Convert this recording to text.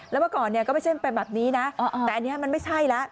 แล้วเมื่อก่อนเนี่ยก็ไม่ใช่เป็นแบบนี้นะแต่อันนี้มันไม่ใช่แล้ว